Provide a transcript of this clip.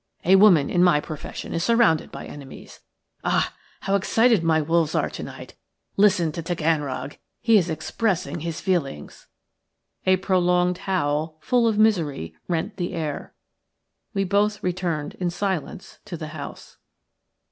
A woman in my profession is surrounded by enemies. Ah! how excited my wolves are to night! Listen to Taganrog; he is expressing his feelings." A prolonged howl, full of misery, rent the air. We both returned in silence to the house.